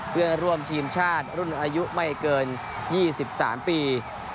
เพื่อร่วมทีมชาติรุ่นอายุไม่เกิน๒๓ปี